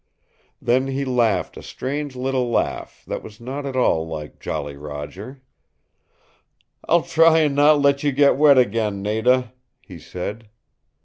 Then he laughed a strange little laugh that was not at all like Jolly Roger. "I'll try and not let you get wet again, Nada," he said.